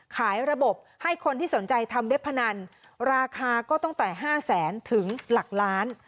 ขายระบบให้คนที่สนใจทำเว็บพนันราคาก็ตั้งแต่๕แสนถึงหลักล้าน